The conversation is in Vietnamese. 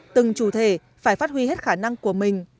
từng chủ thể phải phát huy hết khả năng của mình